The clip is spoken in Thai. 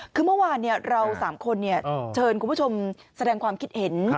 คือเมื่อวานเรา๓คนเชิญคุณผู้ชมแสดงความคิดเห็น